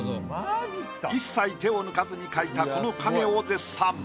一切手を抜かずに描いたこの影を絶賛。